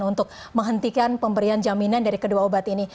untuk menghentikan pemberian jaminan dari kedua obat ini